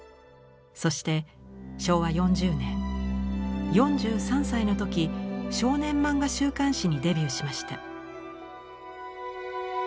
そして昭和４０年４３歳の時少年漫画週刊誌にデビューしました。